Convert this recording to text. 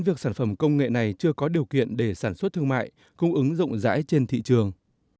việc sản phẩm công nghệ này chưa có điều kiện để sản xuất thương mại cung ứng rộng rãi trên thị trường